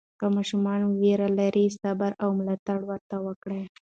که ماشوم ویره لري، صبر او ملاتړ ورته وکړئ.